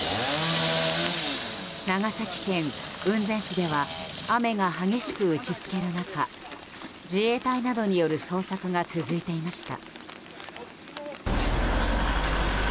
長崎県雲仙市では雨が激しく打ちつける中自衛隊などによる捜索が続いていました。